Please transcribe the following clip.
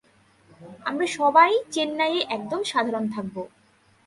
আমরা সবাই চেন্নাইয়ে একদম সাধারণ থাকব।